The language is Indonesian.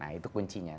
nah itu kuncinya